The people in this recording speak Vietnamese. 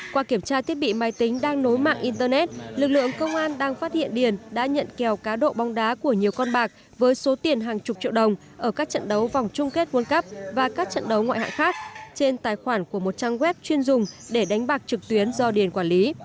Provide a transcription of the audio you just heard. qua kiểm tra thiết bị máy tính đang nối mạng internet lực lượng công an đang phát hiện điền đã nhận kèo cá độ bóng đá của nhiều con bạc với số tiền hàng chục triệu đồng ở các trận đấu vòng chung kết world cup và các trận đấu ngoại hạng khác trên tài khoản của một trang web chuyên dùng để đánh bạc trực tuyến do điền quản lý